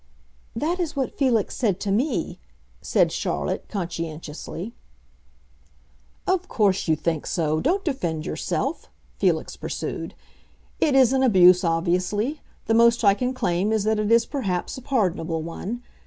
"That is what Felix said to me," said Charlotte, conscientiously. "Of course you think so; don't defend yourself!" Felix pursued. "It is an abuse, obviously; the most I can claim is that it is perhaps a pardonable one.